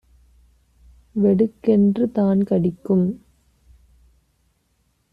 வெடுக்கென்று தான் கடிக்கும்.